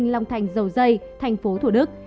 long thành dầu dây tp thủ đức